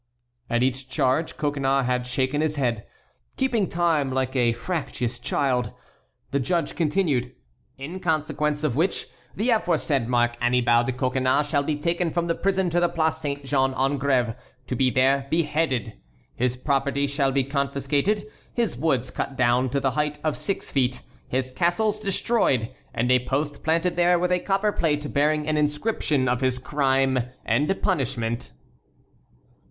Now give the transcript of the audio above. At each charge Coconnas had shaken his head, keeping time like a fractious child. The judge continued: "In consequence of which, the aforesaid Marc Annibal de Coconnas shall be taken from prison to the Place Saint Jean en Grève to be there beheaded; his property shall be confiscated; his woods cut down to the height of six feet; his castles destroyed, and a post planted there with a copper plate bearing an inscription of his crime and punishment."